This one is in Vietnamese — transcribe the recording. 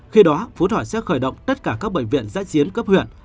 khi đó phú thọ sẽ khởi động tất cả các bệnh viện giã chiến cấp huyện